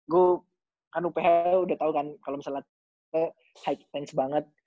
gue kan uph udah tau kan kalo misalnya kita high tension banget